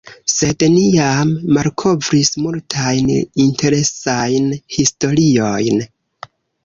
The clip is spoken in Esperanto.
Sed ni jam malkovris multajn interesajn historiojn.